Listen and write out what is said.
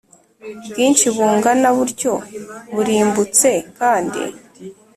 Bwinshi bungana butyo burimbutse kandi